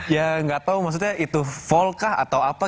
ya gak tau maksudnya itu volkah atau apa